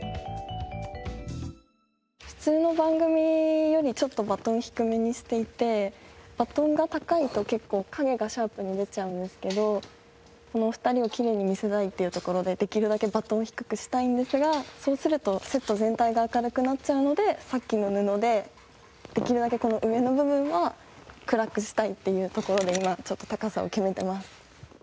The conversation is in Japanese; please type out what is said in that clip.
普通の番組よりちょっとバトンを低めにしていてバトンが高いと結構影がシャープに出ちゃうんですけどこの２人をきれいに見せたいっていうところでできるだけバトンを低くしたいんですがそうするとセット全体が明るくなっちゃうのでさっきの布でできるだけこの上の部分は暗くしたいっていうところで今ちょっと高さを決めてます。